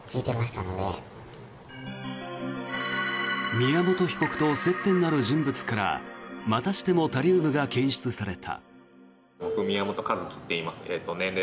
宮本被告と接点のある人物からまたしてもタリウムが検出された。